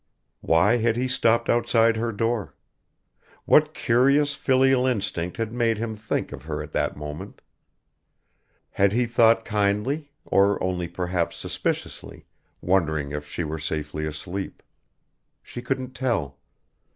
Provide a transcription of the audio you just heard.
Why had he stopped outside her door? What curious filial instinct had made him think of her at that moment? Had he thought kindly, or only perhaps suspiciously, wondering if she were safely asleep? She couldn't tell.